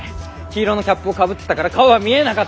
黄色のキャップをかぶってたから顔は見えなかった。